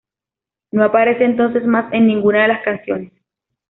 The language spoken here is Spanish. No aparece entonces más en ninguna de las canciones.